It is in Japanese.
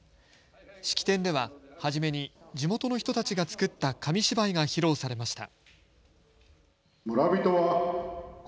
式典では初めに地元の人たちが作った紙芝居が披露されました。